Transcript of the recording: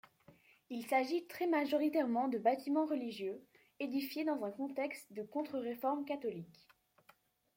Il s'agit très majoritairement de bâtiments religieux, édifiés dans un contexte de Contre-Réforme catholique.